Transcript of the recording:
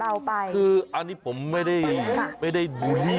อันนี้เหมือนไม่ได้แต่งเลย